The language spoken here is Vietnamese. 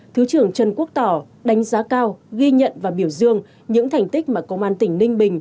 thứ trưởng trần quốc tỏ đánh giá cao ghi nhận và biểu dương những thành tích mà công an tỉnh ninh bình